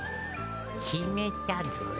きめたぞえ。